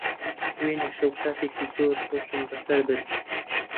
دوێنێ شەو کاتێکی زۆر خۆشم بەسەر برد.